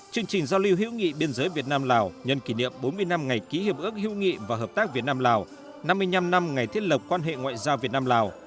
chương trình giao lưu hữu nghị biên giới việt nam lào nhân kỷ niệm bốn mươi năm ngày ký hiệp ước hữu nghị và hợp tác việt nam lào năm mươi năm năm ngày thiết lập quan hệ ngoại giao việt nam lào